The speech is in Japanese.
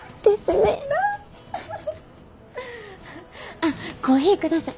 あっコーヒーください。